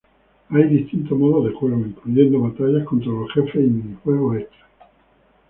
Hay distintos modos de juego, incluyendo batallas contra los jefes y minijuegos extra.